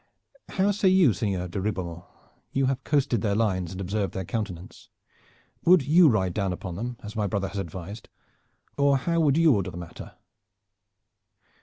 How say you, Sieur de Ribeaumont? You have coasted their lines and observed their countenance. Would you ride down upon them, as my brother has advised, or how would you order the matter?"